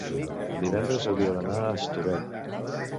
Divendres hauria d'anar a Estubeny.